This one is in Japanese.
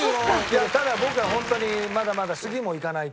いやただ僕はホントにまだまだ次もいかないと。